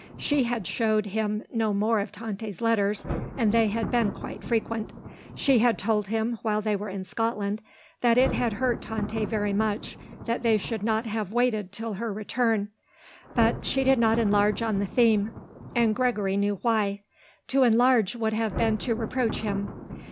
She had showed him no more of Tante's letters, and they had been quite frequent. She had told him while they were in Scotland that it had hurt Tante very much that they should not have waited till her return; but she did not enlarge on the theme; and Gregory knew why; to enlarge would have been to reproach him.